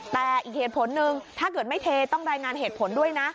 แต่อีกเหตุผลหนึ่งถ้าเกิดไม่เทต้องรายงานเหตุผลด้วยนะ